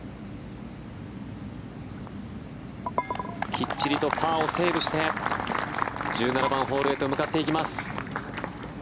きっちりとパーをセーブして１７番ホールへと向かっていきます。